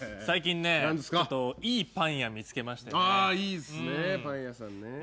最近ねちょっといいパン屋見つけましてね。